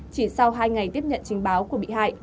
chỉ sau hai ngày tiếp nhận trình báo của bị hại